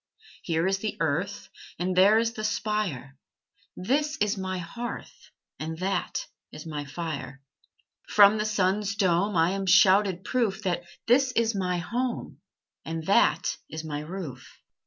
Here is the earth, And there is the spire; This is my hearth, And that is my fire. From the sun's dome I am shouted proof That this is my home, And that is my roof.